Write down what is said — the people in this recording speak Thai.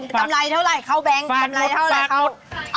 กำไรเท่าไหร่เข้าแบงค์กำไรเท่าไหร่